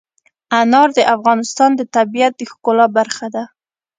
انار د افغانستان د طبیعت د ښکلا برخه ده.